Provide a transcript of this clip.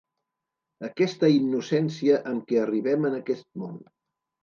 Aquesta innocència amb què arribem en aquest món.